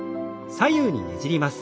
左右にねじります。